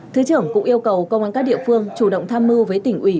thứ trưởng cũng yêu cầu công an các địa phương chủ động tham mưu với tỉnh ủy